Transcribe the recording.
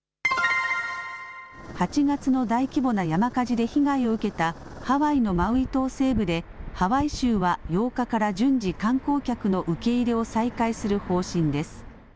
８月の大規模な山火事で被害を受けたハワイのマウイ島西部で、ハワイ州は８日から順次、観光客の受け入れを再開する方針です。